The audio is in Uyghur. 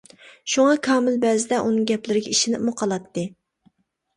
شۇڭا كامىل بەزىدە ئۇنىڭ گەپلىرىگە ئىشىنىپمۇ قالاتتى.